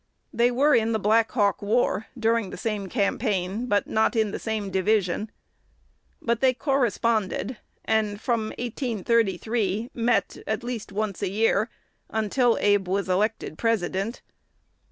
They were in the Black Hawk War during the same campaign, but not in the same division. But they corresponded, and, from 1833, met at least once a year, until Abe was elected President.